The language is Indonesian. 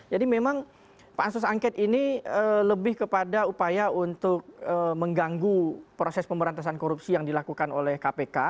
jadi memang pansus angkat ini lebih kepada upaya untuk mengganggu proses pemberantasan korupsi yang dilakukan oleh kpk